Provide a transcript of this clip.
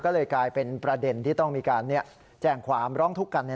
ก็เลยกลายเป็นประเด็นที่ต้องมีการแจ้งความร้องทุกข์กัน